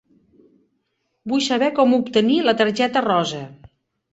Vull saber com obtenir la targeta rosa.